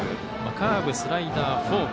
カーブ、スライダー、フォーク